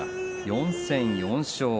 ４戦４勝。